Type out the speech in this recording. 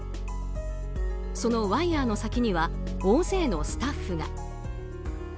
そのワイヤの先には大勢のスタッフが。